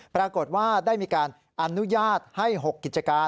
ปรากฏว่าได้มีการอนุญาตให้๖กิจการ